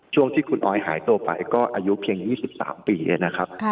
ช่วงที่คุณออยหายตัวไปก็อายุเพียง๒๓ปีนะครับ